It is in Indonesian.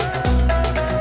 iya urus surat tangah